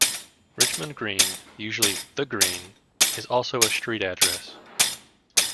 Richmond Green, usually "The Green", is also a street address.